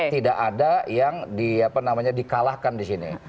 tidak ada yang di kalahkan di sini